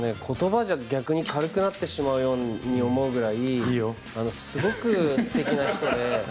言葉じゃ逆に軽くなってしまうように思うくらいすごく素敵な人で。